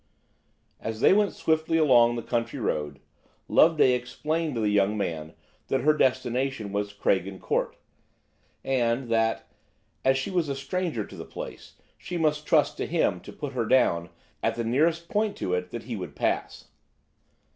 As they went swiftly along the country road, Loveday explained to the young man that her destination was Craigen Court, and that as she was a stranger to the place, she must trust to him to put her down at the nearest point to it that he would pass.